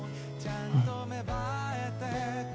うん。